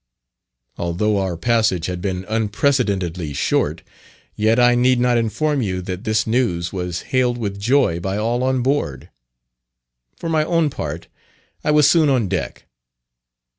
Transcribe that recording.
Although our passage had been unprecedentedly short, yet I need not inform you that this news was hailed with joy by all on board. For my own part, I was soon on deck.